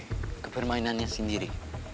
nah ke permainannya sendiri